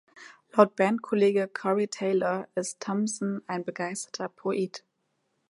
Laut Bandkollege Corey Taylor ist Thomson ein „begeisterter Poet“.